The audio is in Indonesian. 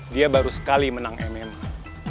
dia baru sekali menang mma